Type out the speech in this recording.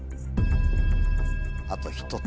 あと１つ。